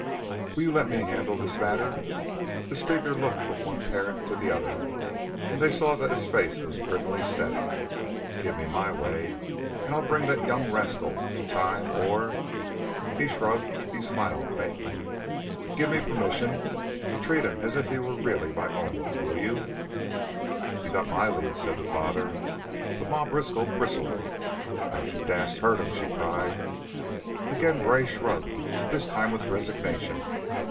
Will you let me handle this matter?" The speaker looked from one parent to the other, and they saw that his face was grimly set. "Give me my way and I'll bring that young rascal to time or " He shrugged, he smiled faintly. "Give me permission to treat him as if he really were my own, will you?" "You got my leave," said the father; but Ma Briskow bristled. "Don't you dast to hurt him," she cried. Again Gray shrugged, this time with resignation.